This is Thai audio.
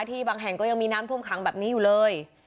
บางแห่งก็ยังมีน้ำท่วมขังแบบนี้อยู่เลย